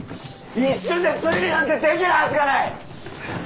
一瞬で推理なんてできるはずがない！